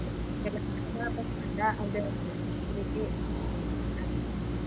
د لښکرګاه بست قلعه د نړۍ تر ټولو لوی خټین ارک دی